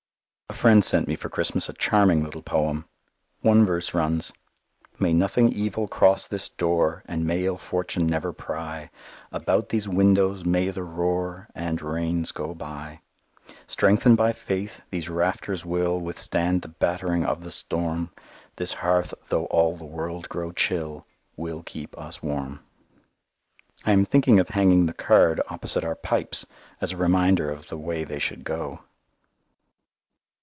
A friend sent me for Christmas a charming little poem. One verse runs: "May nothing evil cross this door, And may ill fortune never pry About these Windows; may the roar And rains go by. "Strengthened by faith, these rafters will Withstand the battering of the storm; This hearth, though all the world grow chill, Will keep us warm." I am thinking of hanging the card opposite our pipes as a reminder of the "way they should go."